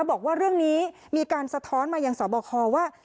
บอกว่าเรื่องนี้มีการสะท้อนมายังสอบคอว่า